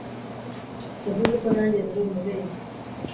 yavuze ko nanjye nari umubeshyi,